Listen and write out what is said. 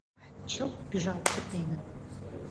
Чылт пӱжалт пытеныт.